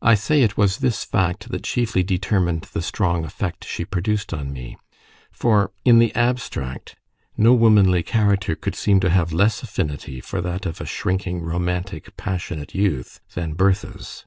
I say it was this fact that chiefly determined the strong effect she produced on me: for, in the abstract, no womanly character could seem to have less affinity for that of a shrinking, romantic, passionate youth than Bertha's.